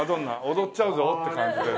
踊っちゃうぞって感じで。